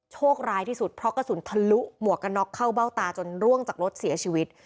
ร้ายที่สุดเพราะกระสุนทะลุหมวกกันน็อกเข้าเบ้าตาจนร่วงจากรถเสียชีวิต